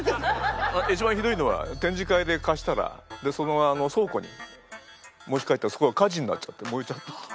一番ひどいのは展示会でかしたらでそのまま倉庫に持ち帰ったらそこが火事になっちゃってもえちゃったって。